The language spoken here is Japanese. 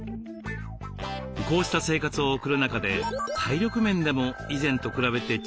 こうした生活を送る中で体力面でも以前と比べて違いを感じています。